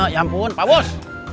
ya ampun pak bos